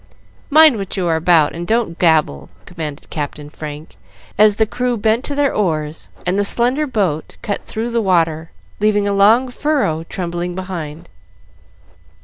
"Mind what you are about, and don't gabble," commanded Captain Frank, as the crew bent to their oars and the slender boat cut through the water leaving a long furrow trembling behind.